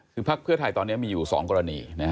คือพักเพื่อไทยตอนนี้มีอยู่๒กรณี